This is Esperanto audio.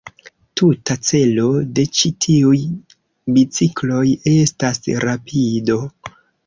Tuta celo de ĉi tiuj bicikloj estas rapido.